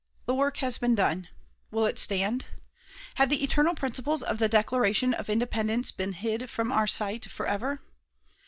The work has been done. Will it stand? Have the eternal principles of the Declaration of Independence been hid from our sight for ever?